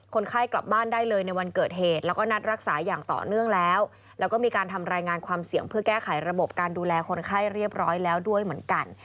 คนไข้กลับบ้านได้เลยในวันเกิดเหตุแล้วก็นัดรักษาอย่างต่อเนื่องแล้วแล้วก็มีการทำรายงานความเสี่ยงเพื่อแก้ไขระบบการดูแลคนไข้เรียบร้อยแล้วด้วยเหมือนกัน